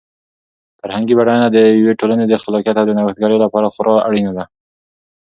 فرهنګي بډاینه د یوې ټولنې د خلاقیت او د نوښتګرۍ لپاره خورا اړینه ده.